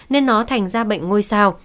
nên nó thành ra bệnh ngôi sao